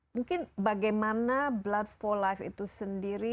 mungkin bagaimana blood for life itu sendiri